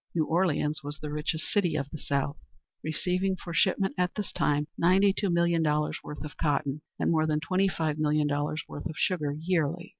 New Orleans was the richest city of the South, receiving for shipment at this time ninety two million dollars worth of cotton, and more than twenty five million dollars worth of sugar yearly.